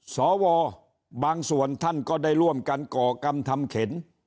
สวบางส่วนท่านก็ได้ร่วมกันก่อกรรมทำเข็น